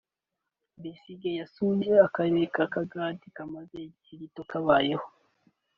Besigye yasuye akarere ka Kagadi kamaze igihe gito kabayeho